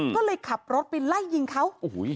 ก็เลยขับรถไปไล่ยิงเขา